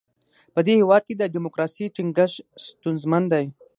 په دې هېواد کې د ډیموکراسۍ ټینګښت ستونزمن دی.